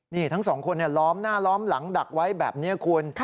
นี่ทั้ง๒คนเนี่ยล้อมหน้าล้อมหลังดักไว้แบบเนี่ยคุณ